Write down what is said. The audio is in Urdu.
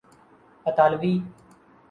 اطالوی